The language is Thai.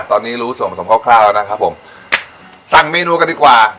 ตอนนี้รู้ส่วนผสมคร่าวคร่าวแล้วนะครับผมสั่งเมนูกันดีกว่า